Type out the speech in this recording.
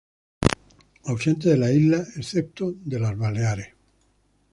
Ausente de las islas excepto de las Baleares.